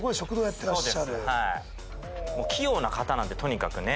器用な方なんでとにかくね。